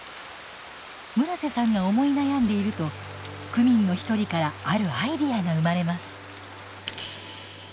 村瀬さんが思い悩んでいると区民の一人からあるアイデアが生まれます。